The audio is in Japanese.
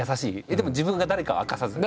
でも自分が誰かは明かさずに？